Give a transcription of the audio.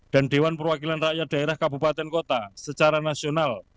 dan dewan perwakilan rakyat daerah kabupaten kota secara nasional